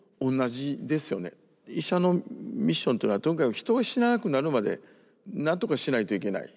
医者のミッションというのはとにかく人が死ななくなるまで何とかしないといけない。